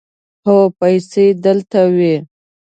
هو، پیسې دلته وې